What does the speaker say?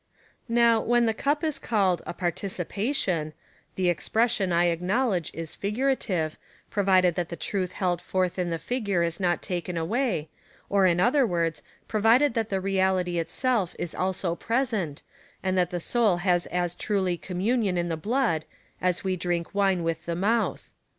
Now, when the cup is called a participation, the expres sion, I acknowledge, is figurative, provided that the truth held forth in the figure is not taken away, or, in other words,/ provided that the reality itself is also present, and that thel soul has as truly communio7i in the blood, as we drink wine with the mouth.